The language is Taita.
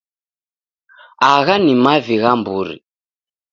Agha ni mavi gha mburi